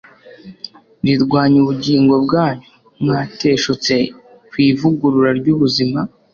rirwanya ubugingo bwanyu. mwateshutse ku ivugurura ry'ubuzima